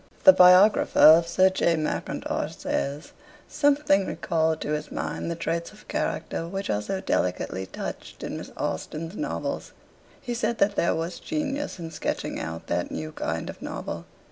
The biographer of Sir J. Mackintosh says: 'Something recalled to his mind the traits of character which are so delicately touched in Miss Austen's novels ... He said that there was genius in sketching out that new kind of novel